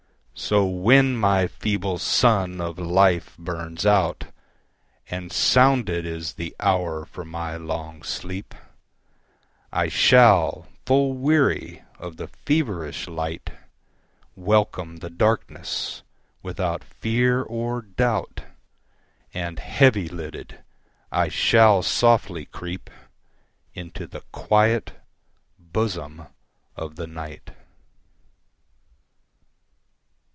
So when my feeble sun of life burns out, And sounded is the hour for my long sleep,I shall, full weary of the feverish light, Welcome the darkness without fear or doubt, And heavy lidded, I shall softly creepInto the quiet bosom of the Night.